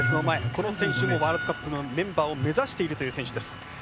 この選手もワールドカップのメンバーを目指しているという選手です。